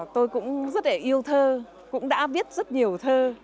tôi cũng rất là yêu thơ cũng đã viết rất nhiều thơ